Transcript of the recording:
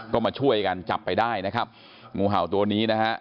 ก็มาช่วยกันจับไปได้นะครับงูเห่าตัวนี้นะฮะ